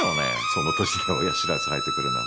その年で親知らず生えてくるなんて。